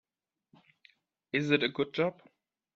Is it a good job?